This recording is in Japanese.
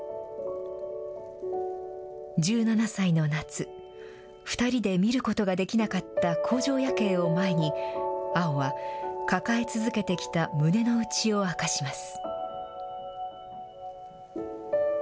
１７歳の夏、２人で見ることができなかった工場夜景を前に、碧は抱え続けてきた胸の内を明かします。